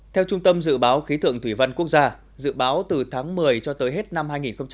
theo trung tâm dự báo khí tượng thủy văn quốc gia dự báo từ tháng một mươi cho tới hết năm hai nghìn hai mươi